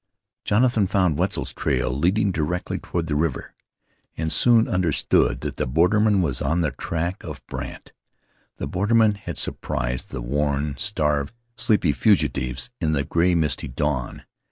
Jonathan found Wetzel's trail leading directly toward the river, and soon understood that the borderman was on the track of Brandt. The borderman had surprised the worn, starved, sleepy fugitives in the gray, misty dawn.